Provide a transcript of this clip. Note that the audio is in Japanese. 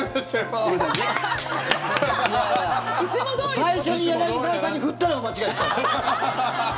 最初に柳澤さんに振ったのが間違いです！